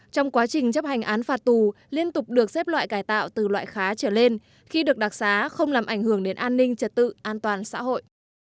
trong quá trình chấp hành án phạt tù liên tục được xếp loại cải tạo từ loại khá trở lên khi được đặc xá không làm ảnh hưởng đến an ninh trật tự an toàn xã hội